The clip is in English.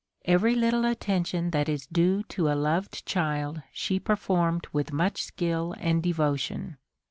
Every little attention that is due to a loved child she performed with much skill and devotion.